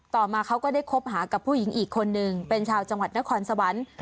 ต่อมาเขาก็ได้คบหากับผู้หญิงอีกคนนึงเป็นชาวจังหวัดนครสวรรค์